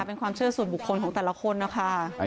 เป็นความเชื่อส่วนบุคคลของแต่ละคนนะคะ